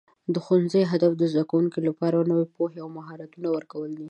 د ښوونځي هدف د زده کوونکو لپاره د نوي پوهې او مهارتونو ورکول دي.